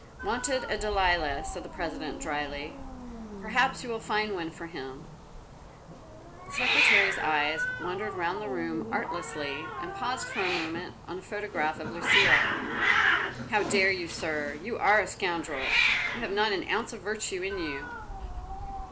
"Wanted a Delilah," said the President dryly. "Perhaps you will find one for him." The Secretary's eyes wandered round the room artlessly, and paused for a moment on a photograph of Lucile. "How dare you, Sir! You are a scoundrel! You have not an ounce of virtue in you!"